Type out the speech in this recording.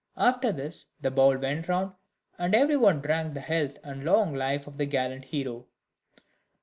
After this the bowl went round, and every one drank the health and long life of the gallant hero.